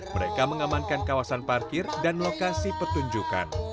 mereka mengamankan kawasan parkir dan lokasi petunjukan